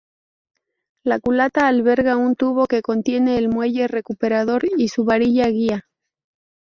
La culata alberga un tubo que contiene el muelle recuperador y su varilla-guía.